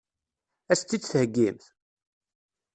Ad as-tt-id-theggimt?